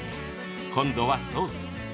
今度はソース。